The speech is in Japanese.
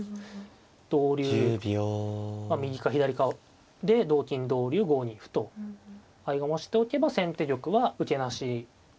同竜まあ右か左かで同金同竜５二歩と合駒しておけば先手玉は受けなし。